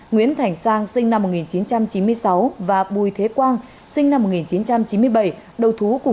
nguyễn thành sang sinh năm một nghìn chín trăm chín mươi sáu và bùi thế quang sinh năm một nghìn chín trăm chín mươi bảy đấu thú về hành vi giết người